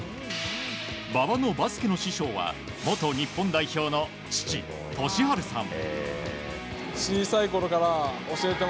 馬場のバスケの師匠は元日本代表の父・敏春さん。